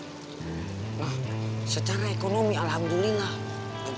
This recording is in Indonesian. nah secara ekonomi alhamdulillah